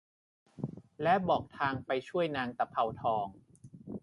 และบอกทางไปช่วยนางตะเภาทอง